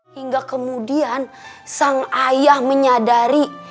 hingga kemudian sang ayah menyadari